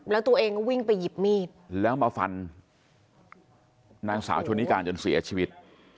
แล้วตัวเองก็วิ่งไปหยิบมีดแล้วมาฟันนางสาวชนนิการจนเสียชีวิต